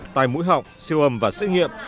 tài mũi họng siêu âm và xét nghiệm